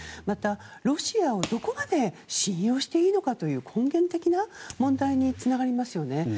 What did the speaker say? また、ロシアをどこまで信用していいのかという根源的な問題につながりますよね。